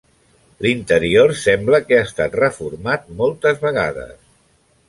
L'interior sembla que ha estat reformat moltes vegades.